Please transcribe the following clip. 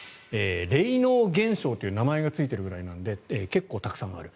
レイノー現象という名前がついているぐらいなので結構たくさんある。